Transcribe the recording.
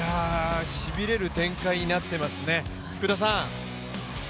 しびれる展開になっていますね、福田さん。